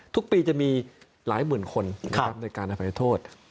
ทุกปีจะมีหลายหมื่นคนในการอภัยโทษ